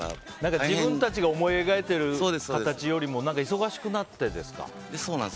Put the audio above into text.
自分たちが思い描いている形よりもそうなんです。